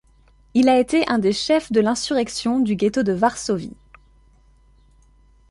Il a été un des chefs de l'insurrection du ghetto de Varsovie.